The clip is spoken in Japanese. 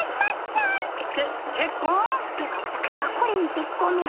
ではわたくしはこれにてごめん！